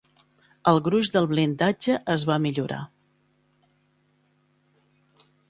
El gruix del blindatge es va millorar.